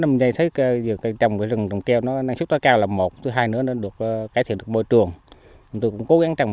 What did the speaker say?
hôm nay thấy trồng rừng trồng keo năng suất cao là một thứ hai nữa là cải thiện được môi trường